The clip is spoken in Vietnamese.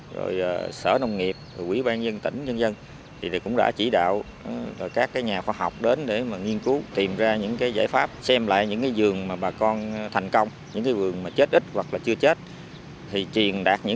rồi sở nông nghiệp các trường đại học các trường đại học các trường đại học các trường đại học các trường đại học các trường đại học